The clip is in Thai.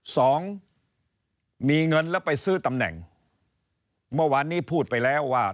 สองมีเงินแล้วไปซื้อตำแหน่งเมื่อวานนี้พูดไปแล้วว่า